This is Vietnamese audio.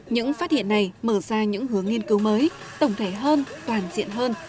những phát hiện này mở ra những hướng nghiên cứu mới tổng thể hơn toàn diện hơn